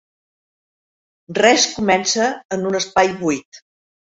Res comença en un espai buit.